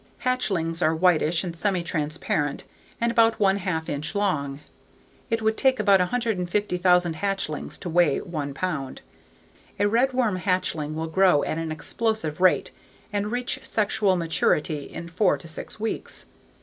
Hatchlings are whitish and semi transparent and about one half inch long. It would take about 150,000 hatchlings to weigh one pound. A redworm hatchling will grow at an explosive rate and reach sexual maturity in four to six weeks.